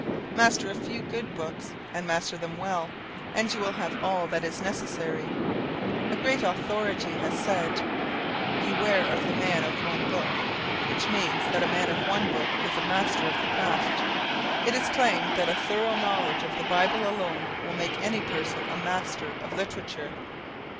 Master a few good books and master them well and you will have all that is necessary. A great authority has said: "Beware of the man of one book," which means that a man of one book is a master of the craft. It is claimed that a thorough knowledge of the Bible alone will make any person a master of literature.